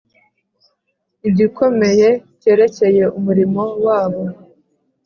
igikomeye cyerekeye umurimo wabo